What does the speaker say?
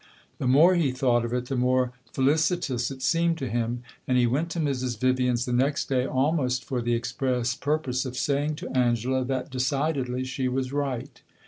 The more he thought of it the more felicitous it seemed to him, and he went to Mrs. Vivian's the next day almost for the express purpose of saying to Angela that, decidedly, she was right.